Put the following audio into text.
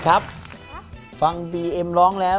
นะครับขอบคุณมากครับ